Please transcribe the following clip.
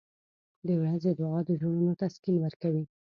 • د ورځې دعا د زړونو تسکین ورکوي.